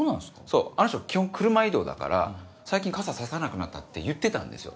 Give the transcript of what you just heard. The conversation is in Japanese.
そうあの人基本車移動だから「最近傘差さなくなった」って言ってたんですよ。